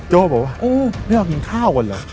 โจ้บอกว่าโอ้นี่เรากินข้าวก่อนเหรอ